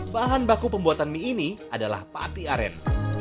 bahan baku pembuatan mie ini adalah pati aren